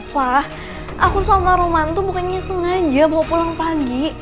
pah aku sama roman tuh bukan nyusung aja mau pulang pagi